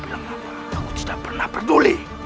aku tidak pernah peduli